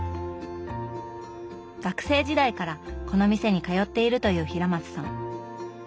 学生時代からこの店に通っているという平松さん。